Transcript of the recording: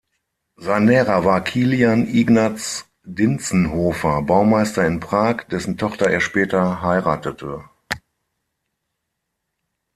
Sein Lehrer war Kilian Ignaz Dientzenhofer, Baumeister in Prag, dessen Tochter er später heiratete.